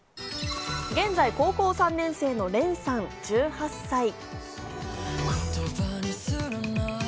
現在高校３年生のれんさん、１８歳。